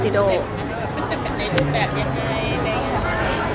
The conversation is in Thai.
แบบยังไง